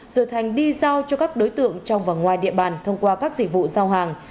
rồi thành đi giao cho các đối tượng trong và ngoài địa bàn thông qua các dịch vụ giao hàng